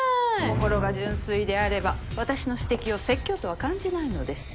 心が純粋であれば私の指摘を説教とは感じないのです。